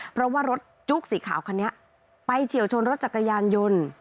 เพราะว่ารถจุ๊กสีขาวคันนี้ไปเฉียวชนรถจักรยานยนต์